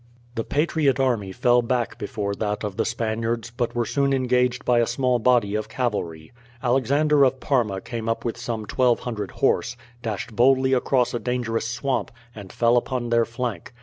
The patriot army fell back before that of the Spaniards, but were soon engaged by a small body of cavalry. Alexander of Parma came up with some 1200 horse, dashed boldly across a dangerous swamp, and fell upon their flank.